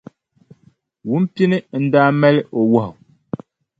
Wumpini n-daa mali o wahu.